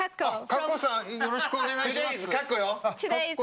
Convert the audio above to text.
よろしくお願いします。